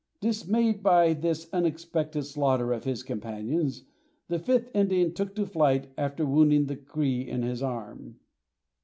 Dismayed by this unexpected slaughter of his companions, the fifth Indian took to flight after wounding the Cree in his arm.